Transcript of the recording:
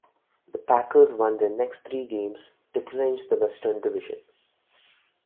The Packers won their next three games to clinch the Western Division.